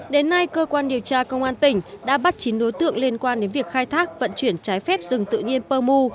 đến nay cơ quan điều tra công an tỉnh đã bắt chín đối tượng liên quan đến việc khai thác vận chuyển trái phép rừng tự nhiên pơ mu